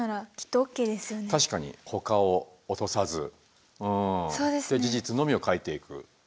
確かにほかを落とさずで事実のみを書いていく。